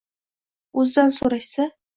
O'zidan so'ralsa: